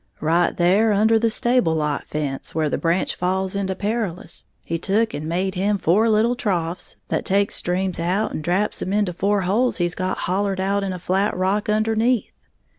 "Right there under the stable lot fence, where the branch falls into Perilous, he took'n made him four little troughs, that takes streams out and draps 'em into four holes he's got hollered out in a flat rock underneath.